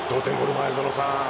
前園さん。